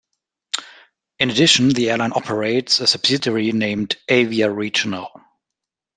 In addition, the airline operates a subsidiary named Avior Regional.